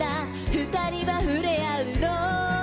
「２人はふれあうの」